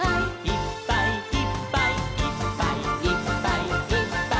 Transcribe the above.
「いっぱいいっぱいいっぱいいっぱい」